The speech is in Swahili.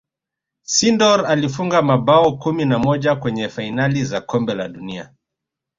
sindor alifunga mabao kumi na moja kwenye fainali za kombe la dunia